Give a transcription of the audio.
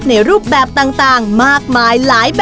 พี่ดาขายดอกบัวมาตั้งแต่อายุ๑๐กว่าขวบ